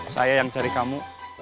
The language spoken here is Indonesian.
saya yang cari kamu